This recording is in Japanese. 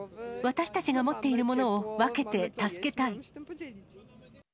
私たちが持っているものを分けて助けたい。